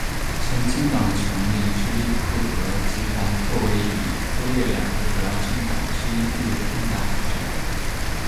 前进党的成立是利库德集团作为以色列两个主要政党之一地位的重大挑战。